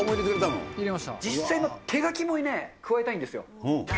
実際の手描きもね、加えたいんですよ。